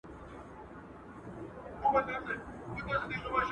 که د زنګون ستونزه لرئ، په اوبو کې حرکت وکړئ.